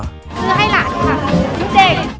ซื้อให้หลานค่ะนิดเดียว